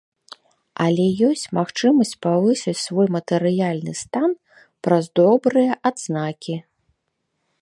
Але ёсць магчымасць павысіць свой матэрыяльны стан праз добрыя адзнакі.